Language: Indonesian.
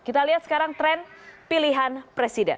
kita lihat sekarang tren pilihan presiden